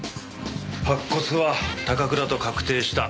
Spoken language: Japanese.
白骨は高倉と確定した。